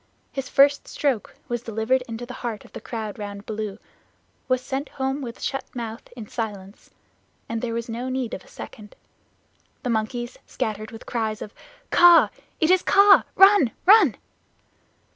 His first stroke was delivered into the heart of the crowd round Baloo. It was sent home with shut mouth in silence, and there was no need of a second. The monkeys scattered with cries of "Kaa! It is Kaa! Run! Run!"